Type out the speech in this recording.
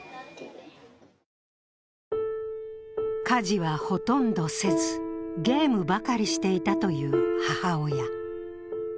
家事はほとんどせず、ゲームばかりしていたという母親。